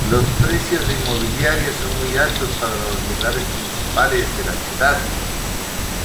Los precios inmobiliarios son muy altos para los lugares principales de la ciudad.